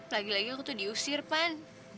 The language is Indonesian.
lagi lagi aku tuh diusir pan